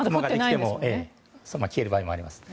消える場合もありますから。